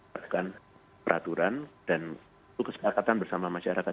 perhatikan peraturan dan kesekatan bersama masyarakat